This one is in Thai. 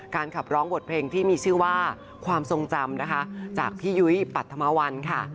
ขับร้องบทเพลงที่มีชื่อว่าความทรงจำนะคะจากพี่ยุ้ยปรัฐมวัลค่ะ